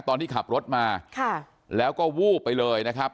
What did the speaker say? ตอนที่ขับรถมาค่ะแล้วก็วูบไปเลยนะครับ